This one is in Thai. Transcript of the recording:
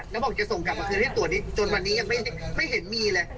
แล้วบอกจะส่งกลับกลับซื้อให้ตรวจนี้ยังไม่เป็นไม่เห็นมีเลย